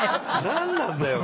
何なんだよ。